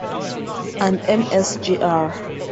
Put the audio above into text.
And Msgr.